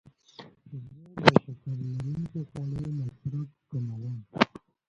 زه د شکر لرونکو خوړو مصرف کموم.